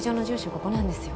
ここなんですよ